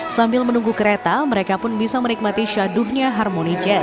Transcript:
sambil menunggu kereta mereka pun bisa menikmati syaduhnya harmoni jazz